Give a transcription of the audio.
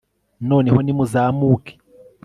noneho nimuzamuke